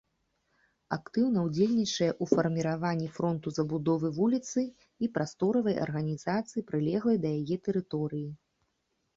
Актыўна ўдзельнічае ў фарміраванні фронту забудовы вуліцы і прасторавай арганізацыі прылеглай да яе тэрыторыі.